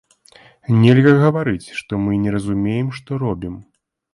Нельга гаварыць, што мы не разумеем, што робім.